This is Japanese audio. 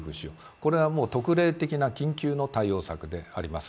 これは特例的な緊急の対応策であります。